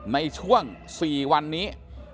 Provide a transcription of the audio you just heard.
ในช่วง๔วันนี้